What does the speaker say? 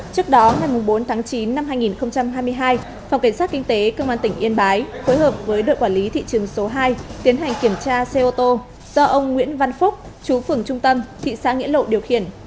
trước đó ngày bốn tháng chín năm hai nghìn hai mươi hai phòng kiểm soát kinh tế công an tỉnh yên bái phối hợp với đội quản lý thị trường số hai tiến hành kiểm tra xe ô tô do ông nguyễn văn phúc chú phường trung tâm thị xã nghĩa lộ điều khiển